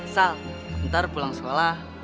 sal ntar pulang sekolah